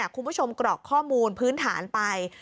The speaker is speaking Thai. คุณผู้ชมกรอกข้อมูลพื้นฐานไป